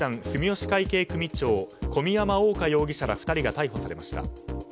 住吉会系組長小宮山欧果容疑者ら２人が逮捕されました。